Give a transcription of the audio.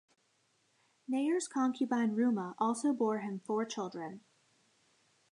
Nahor's concubine Reumah also bore him four children.